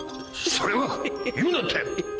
それを言うなって！